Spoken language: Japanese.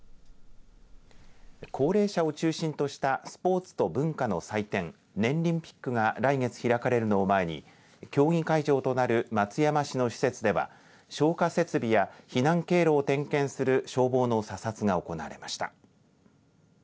高齢者を中心としたスポーツと文化の祭典ねんりんピックが来月開かれるのを前に競技会場となる松山市の施設では消火設備や避難経路を点検する消防の査察が行われました。